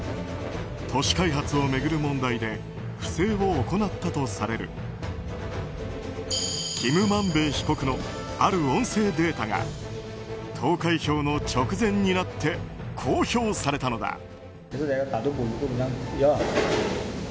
都市開発を巡る問題で不正を行ったとされるキム・マンベ被告のある音声データが投開票の直前になって公表されたのだ。